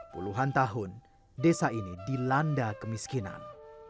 puluhan tahun desa ini dilanda kemiskinan